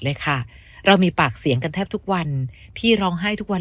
เลยค่ะเรามีปากเสียงกันแทบทุกวันพี่ร้องไห้ทุกวัน